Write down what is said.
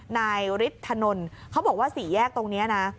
นายฤทธนนท์เขาบอกว่าสี่แยกตรงนี้นะ